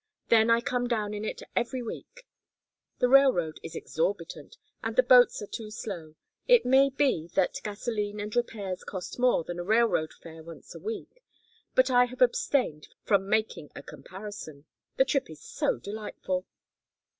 Then I come down in it every week. The railroad is exorbitant, and the boats are too slow. It may be that gasolene and repairs cost more than a railroad fare once a week, but I have abstained from making a comparison. The trip is so delightful!"